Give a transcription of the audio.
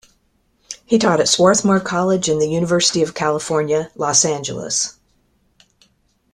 He taught at Swarthmore College and the University of California, Los Angeles.